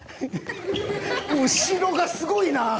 後ろがすごいな。